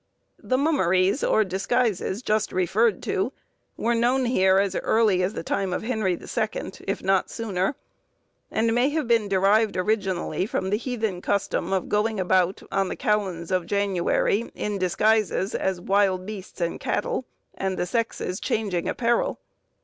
The mummeries, or disguises, just referred to, were known here as early as the time of Henry the Second, if not sooner, and may have been derived originally from the heathen custom of going about, on the kalends of January, in disguises, as wild beasts and cattle, and the sexes changing apparel.